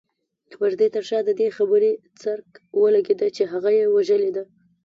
د پردې تر شا د دې خبرې څرک ولګېد چې هغه يې وژلې ده.